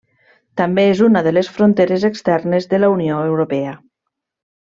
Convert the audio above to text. També és una de les fronteres externes de la Unió Europea.